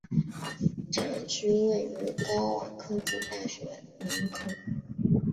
站区位于高苑科技大学大门口处。